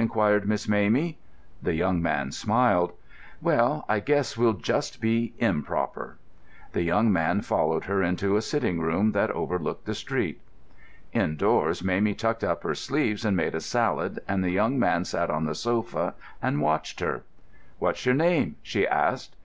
inquired Miss Mamie. The young man smiled. "Well, I guess we'll just be improper." The young man followed her into a sitting room that overlooked the street. Indoors, Mamie tucked up her sleeves and made a salad, and the young man sat on the sofa and watched her. "What's your name?" she asked.